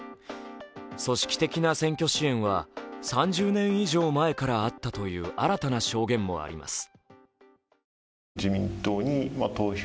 組織的な選挙支援は３０年以上前からあったという新たな証言もあります。